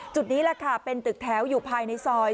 นี่แหละค่ะเป็นตึกแถวอยู่ภายในซอย